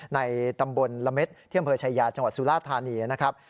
ในตำบลละเม็ดที่อำเภอชายาจังหวัดสุราธานีนะครับ